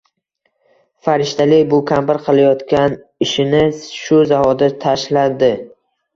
farishtali bu kampir qilayotgan ishini shu zahoti tashladi